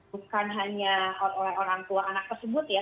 bukan hanya oleh orang tua anak tersebut ya